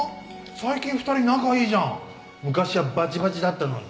最近２人仲いいじゃん昔はバチバチだったのに。